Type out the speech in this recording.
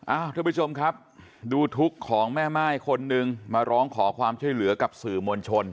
ท่านผู้ชมครับดูทุกข์ของแม่ม่ายคนนึงมาร้องขอความช่วยเหลือกับสื่อมวลชน